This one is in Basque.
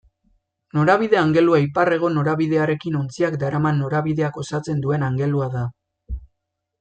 Norabide-angelua ipar-hego norabidearekin ontziak daraman norabideak osatzen duen angelua da.